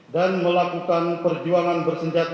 dan melakukan perjuangan bersenjata